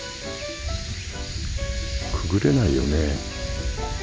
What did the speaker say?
くぐれないよね。